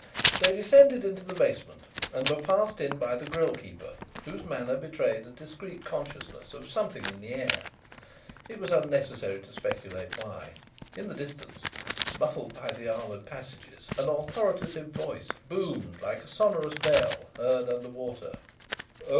They descended into the basement and were passed in by the grille keeper, whose manner betrayed a discreet consciousness of something in the air. It was unnecessary to speculate why. In the distance, muffled by the armoured passages, an authoritative voice boomed like a sonorous bell heard under water.